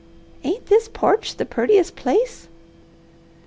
Ain't this porch the purtiest place?"